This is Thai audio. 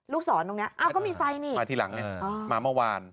ลูกศรตรงนี้อ้าวก็มีไฟนี่มาที่หลังเนี่ยมาเมื่อวาน